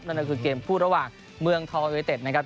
นั่นก็คือเกมคู่ระหว่างเมืองทองยูเนเต็ดนะครับ